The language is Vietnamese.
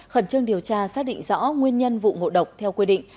khẩn trương điều tra xác định rõ nguyên nhân vụ ngộ độc theo quy định